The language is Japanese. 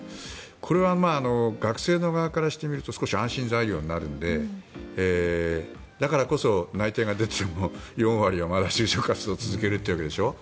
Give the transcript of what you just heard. これは学生の側からしてみると少し安心材料になるのでだからこそ内定が出ても４割はまだ就職活動を続けるってわけでしょ。